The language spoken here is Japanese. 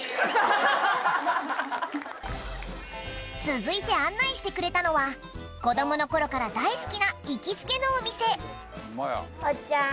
続いて案内してくれたのは子供の頃から大好きな行きつけのお店「おっちゃん」。